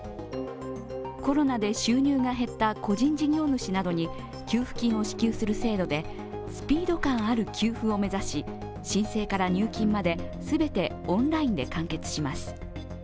コロナで収入が減った個人事業主などに、給付金を支給する制度でスピード感ある給付を目指し申請から入金まで全てオンラインで完結します。